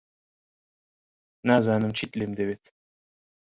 نازانم چیت لێم دەوێت.